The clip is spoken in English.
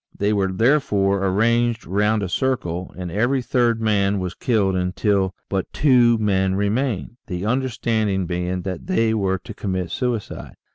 They were therefore arranged round a circle, and every third man was killed until but two men remained, the understanding being that they were to commit suicide.